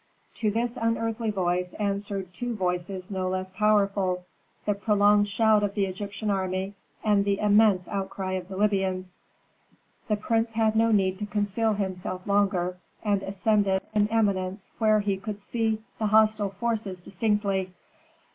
To this unearthly voice answered two voices no less powerful: the prolonged shout of the Egyptian army, and the immense outcry of the Libyans. The prince had no need to conceal himself longer, and ascended an eminence whence he could see the hostile forces distinctly.